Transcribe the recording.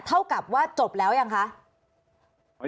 เท่ากับว่าจบแล้วยังคะ